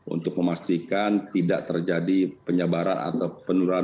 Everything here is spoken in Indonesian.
untuk memastikan tidak terjadi penyebaran atau penurunan